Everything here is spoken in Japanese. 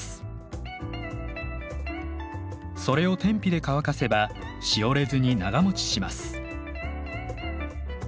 それを天日で乾かせばしおれずに長もちします。